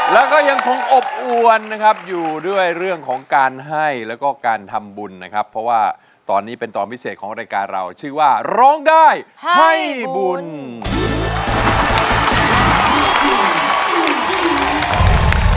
แล้วก็ยังคงอบอวนนะครับอยู่ด้วยเรื่องของการให้แล้วก็การทำบุญนะครับเพราะว่าตอนนี้เป็นตอนพิเศษของรายการเราชื่อว่าร้องได้ให้บุญ